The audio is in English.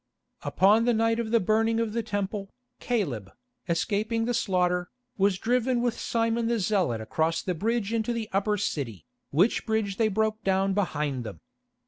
Upon the night of the burning of the Temple, Caleb, escaping the slaughter, was driven with Simon the Zealot across the bridge into the Upper City, which bridge they broke down behind them.